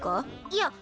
いや。